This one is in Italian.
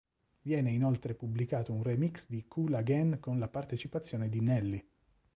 Viene inoltre pubblicato un remix di "Cool Again" con la partecipazione di Nelly.